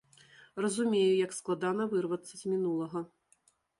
Разумею, як складана вырвацца з мінулага.